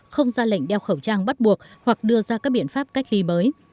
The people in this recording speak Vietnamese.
không ra lệnh đeo khẩu trang bắt buộc hoặc đưa ra các biện pháp cách ly mới